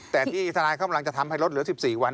แต่ที่ธนายธ์เขากำลังจะทำไปลดเป็น๑๔วัน